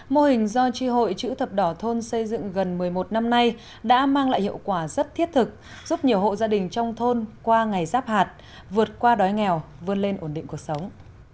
mô hình do tri hội chữ thập đỏ thôn xây dựng gần một mươi một năm nay đã mang lại hiệu quả rất thiết thực giúp nhiều hộ gia đình trong thôn qua ngày giáp hạt vượt qua đói nghèo vươn lên ổn định cuộc sống